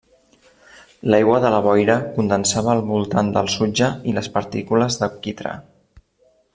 L'aigua de la boira condensava al voltant del sutge i les partícules de quitrà.